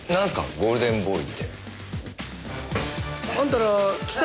ゴールデンボーイ。